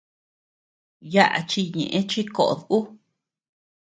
Yaʼa chi ñeʼe chi koʼod ú.